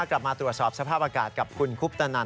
กลับมาตรวจสอบสภาพอากาศกับคุณคุปตนัน